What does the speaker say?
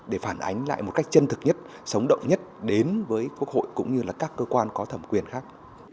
để phản ánh lại một cách chân thực nhất sống động nhất đến với quốc hội cũng như là các cơ quan có thẩm quyền khác